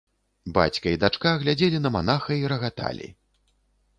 Бацька і дачка глядзелі на манаха і рагаталі.